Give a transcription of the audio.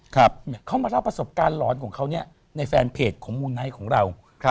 เขามาเล่าประสบการณ์หลอนของเขาเนี่ยในแฟนเพจของมูไนท์ของเรา